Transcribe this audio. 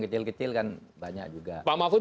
kecil kecil kan banyak juga pak mahfud